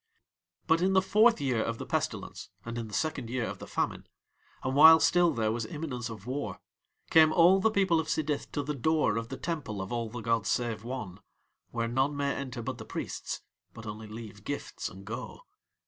But in the fourth year of the pestilence and in the second year of the famine, and while still there was imminence of war, came all the people of Sidith to the door of the Temple of All the gods save One, where none may enter but the priests but only leave gifts and go.